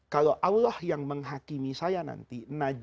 kalau allah yang menghakimi saya nanti